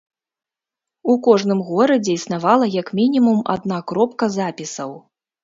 У кожным горадзе існавала як мінімум адна кропка запісаў.